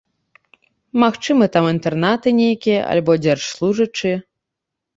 Магчыма, там інтэрнаты нейкія, альбо дзяржслужачыя.